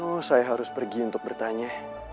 oh saya harus pergi untuk bertanya